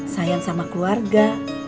sayang sama keluarga